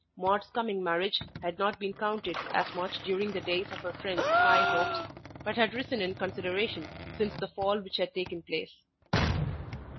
Maude's coming marriage had not been counted as much during the days of her friend's high hopes, but had risen in consideration since the fall which had taken place.